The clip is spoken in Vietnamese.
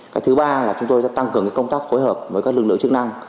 cái thứ ba là chúng tôi sẽ tăng cường công tác phối hợp với các lực lượng chức năng